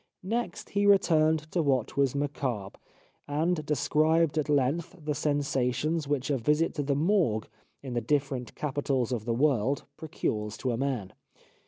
Next he returned to what was macabre, and described at length the sensations which a visit to the Morgue in the different capitals of the world procures to a man.